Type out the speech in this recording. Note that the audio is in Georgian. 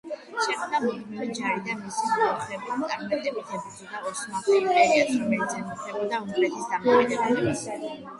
შექმნა მუდმივი ჯარი და მისი მეოხებით წარმატებით ებრძოდა ოსმალთა იმპერიას, რომელიც ემუქრებოდა უნგრეთის დამოუკიდებლობას.